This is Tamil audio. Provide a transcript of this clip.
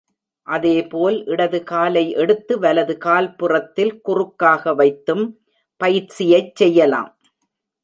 அதேபோல், இடது காலை எடுத்து வலது கால் புறத்தில் குறுக்காக வைத்தும், பயிற்சியைச் செய்யலாம்.